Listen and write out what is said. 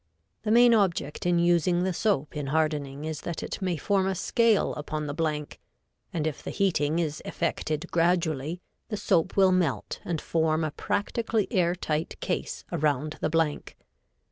The main object in using the soap in hardening is that it may form a scale upon the blank, and if the heating is effected gradually the soap will melt and form a practically air tight case around the blank.